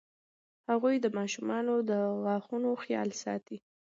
هغوی د ماشومانو د غاښونو خیال ساتي.